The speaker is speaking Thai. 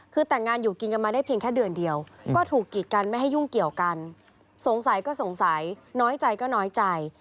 คือแต่งงานอยู่กินกันมาได้เพียงแค่เดือนเดียวก็ถูกกีดกันไม่ให้ยุ่งเกี่ยวกันสงสัยก็สงสัยน้อยใจก็น้อยใจ